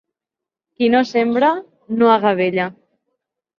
Qui no sembra no agavella.